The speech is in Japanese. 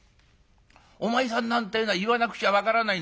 お前さんなんてえのは言わなくちゃ分からないんだから。